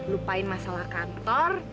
lupain masalah kantor